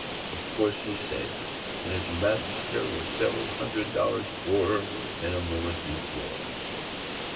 Of course he sank, and his master was several hundred dollars poorer than a moment before.